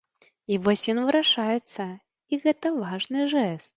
І вось ён вырашаецца, і гэта важны жэст.